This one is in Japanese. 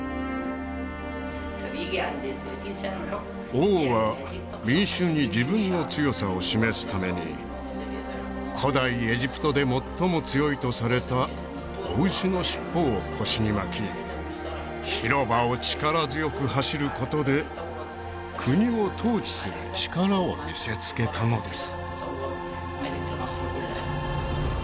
王は民衆に自分の強さを示すために古代エジプトで最も強いとされた雄牛の尻尾を腰に巻き広場を力強く走ることで国を統治する力を見せつけたのです